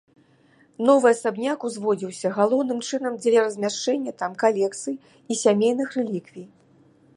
Новы асабняк узводзіўся, галоўным чынам, дзеля размяшчэння там калекцый і сямейных рэліквій.